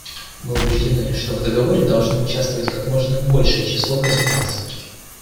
Мы убеждены, что в договоре должно участвовать как можно большее число государств.